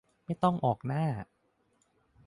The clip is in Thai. ไม่ต้องออกหน้า